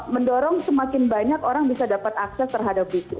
mendorong semakin banyak orang bisa dapat akses terhadap bisnis